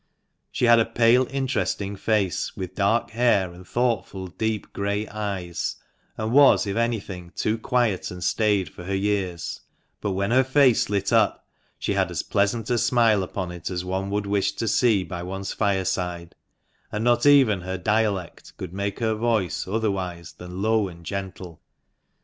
She had a pale, interesting face, with dark hair and thoughtful, deep grey eyes, and was, if anything, too quiet and staid for her years ; but when her face lit up she had as pleasant a smile upon it as one would wish to see by one's fireside, and not even her dialect could make her voice otherwise than low and gentle.